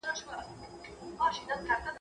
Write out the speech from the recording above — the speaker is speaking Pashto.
o د بل په غاړه چاړه تېره کوي.